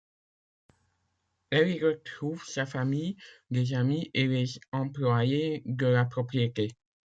Elle y retrouve sa famille, des amis et les employés de la propriété.